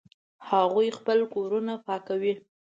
هغوی خپلې کورونه پاکوي